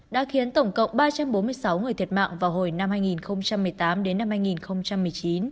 đã khiến tổng cộng ba trăm bốn mươi sáu người thiệt mạng vào hồi năm hai nghìn một mươi tám đến năm hai nghìn một mươi chín